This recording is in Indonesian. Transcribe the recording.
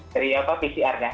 jadi apa pcrnya